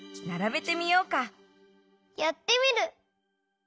やってみる！